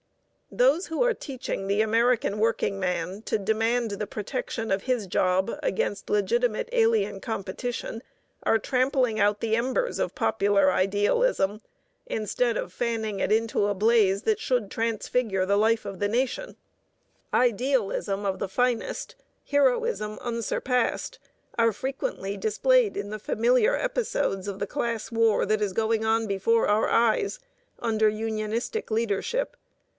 Those who are teaching the American workingman to demand the protection of his job against legitimate alien competition are trampling out the embers of popular idealism, instead of fanning it into a blaze that should transfigure the life of the nation. [Illustration: A FRESH INFUSION OF PIONEER BLOOD] Idealism of the finest, heroism unsurpassed, are frequently displayed in the familiar episodes of the class war that is going on before our eyes, under unionistic leadership.